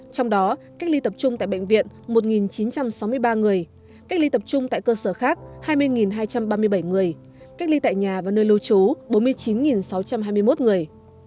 trong đó cách ly tập trung tại bệnh viện một chín trăm sáu mươi ba người cách ly tập trung tại cơ sở khác hai mươi hai trăm ba mươi bảy người cách ly tại nhà và nơi lưu trú bốn mươi chín sáu trăm hai mươi một người